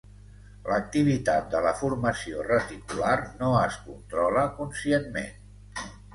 L'activitat de la formació reticular no es controla conscientment.